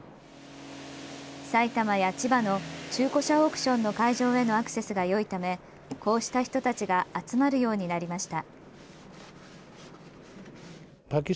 埼玉や千葉の中古車オークションの会場へのアクセスがよいためこうした人たちが集まるようになりました。